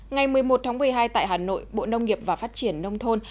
ngày một mươi một tháng một mươi hai tại hà nội bộ nông nghiệp và phát triển nông thôn